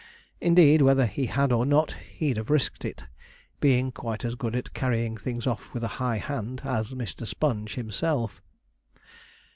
Indeed, whether he had or not, he'd have risked it, being quite as good at carrying things off with a high hand as Mr. Sponge himself.